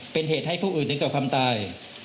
เป็นเหตุให้ผู้อื่นในก่อความตาย